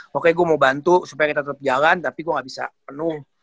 pokoknya gue mau bantu supaya kita tetap jalan tapi gue gak bisa penuh